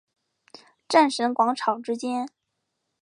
战神广场之间。